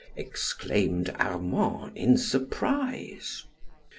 exclaimed Armand, in surprise.